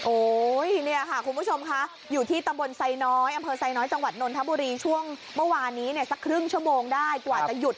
เนี่ยค่ะคุณผู้ชมค่ะอยู่ที่ตำบลไซน้อยอำเภอไซน้อยจังหวัดนนทบุรีช่วงเมื่อวานนี้เนี่ยสักครึ่งชั่วโมงได้กว่าจะหยุด